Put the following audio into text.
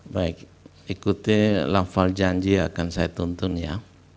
baik ikuti lafal janji akan saya tuntun ya